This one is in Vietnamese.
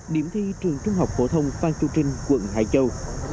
điểm thi trường trung học phổ thông phan chu trinh quận hải châu